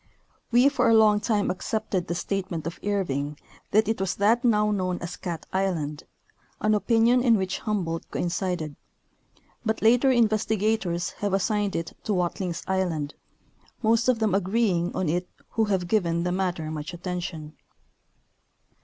We for a long time accepted the statement of Irving that it was that now known as Cat island, an opinion in which Hum boldt coincided ; but later investigators have assigned it to Watlings island, most of them agreeing on it who have given the matter much attention.